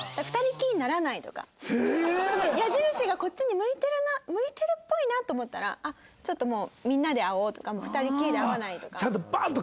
矢印がこっちに向いてるな向いてるっぽいなと思ったらちょっともうみんなで会おうとか２人っきりで会わないとか。